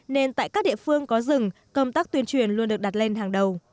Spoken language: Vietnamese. nên tại các địa phương có rừng công tác tuyên truyền luôn được đặt lên hàng đầu